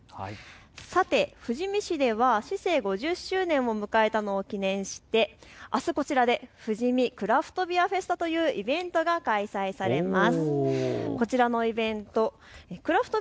さて富士見市では市政５０周年を迎えたのを記念してあすこちらでＦＵＪＩＭＩ☆クラフトビアフェスタというイベントが開催されます。